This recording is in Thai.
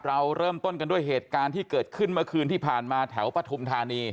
เราเริ่มต้นกันด้วยเหตุการณ์ที่เกิดขึ้นเมื่อคืนที่ผ่านมาแถวปฐุมธานี